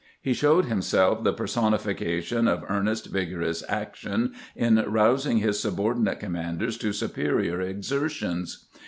He showed himself the personification of ear nest, vigorous action in rousing his subordinate com manders to superior exertions.